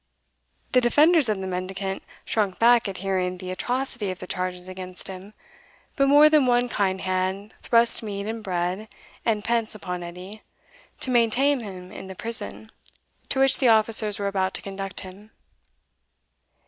The defenders of the mendicant shrunk back at hearing the atrocity of the charges against him, but more than one kind hand thrust meat and bread and pence upon Edie, to maintain him in the prison, to which the officers were about to conduct him.